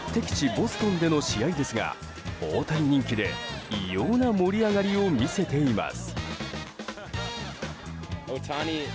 ボストンでの試合ですが大谷人気で異様な盛り上がりを見せています。